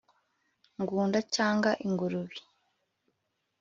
Ngunda cyangwa ingurube